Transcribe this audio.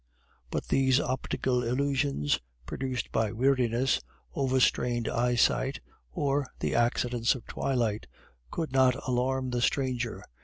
But these optical illusions, produced by weariness, overstrained eyesight, or the accidents of twilight, could not alarm the stranger.